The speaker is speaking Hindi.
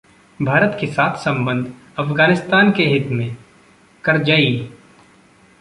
भारत के साथ संबंध अफगानिस्तान के हित में: करजई